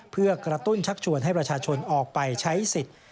เพื่อกระตุ้นชักชวนให้ประชาชนออกไปใช้สิทธิ์